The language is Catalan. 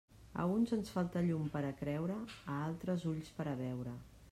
A uns ens falta llum per a creure; a altres, ulls per a veure.